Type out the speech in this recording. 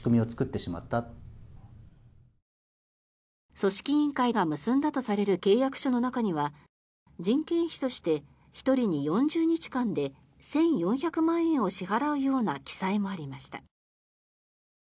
組織委員会が結んだとされる契約書の中には人件費として１人に４０日間で１４００万円を支払うような記載もありました。